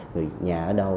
người nhà ở đâu